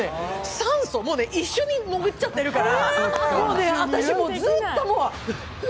酸素、一緒に潜っちゃってるから、私ね、ずっと。